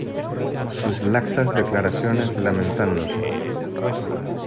Sus laxas declaraciones lamentándose